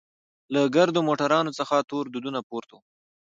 له ګردو موټرانوڅخه تور دودونه پورته وو.